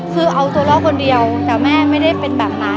คือเอาตัวรอดคนเดียวแต่แม่ไม่ได้เป็นแบบนั้น